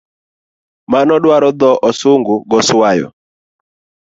Mano dwaro tho sungu goswayo